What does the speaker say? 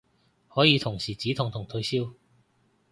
可以同時止痛同退燒